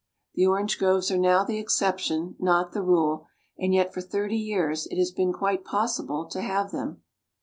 The orange groves are now the exception, not the rule; and yet for thirty years it has been quite possible to have them.